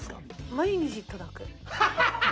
毎日届く。